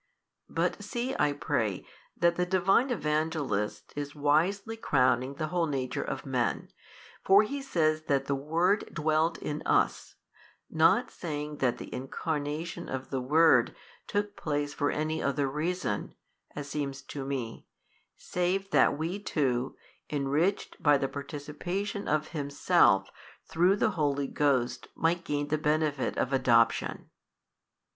But see (I pray) that the Divine Evangelist is wisely crowning the whole nature of men, for he says that the Word dwelt in us, not saying that the Incarnation of the Word took place for any other reason (as seems to me) save that we too, enriched by the participation of Himself through the Holy Ghost might gain the benefit of adoption.